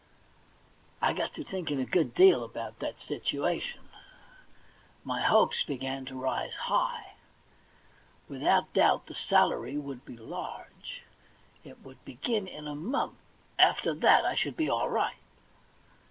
I got to thinking a good deal about that situa tion. My hopes began to rise high. Without doubt the salary would be large. It would begin in a month; after that I should be all right.